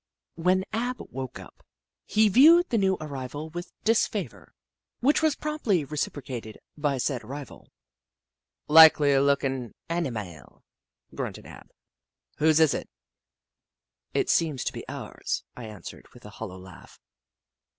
When Ab woke up, he viewed the new arrival with disfavour, which was promptly reciprocated by said arrival. " Likely lookin' animile," grunted Ab. " Whose is it ?"" It seems to be ours," I answered, with a hollow laugh.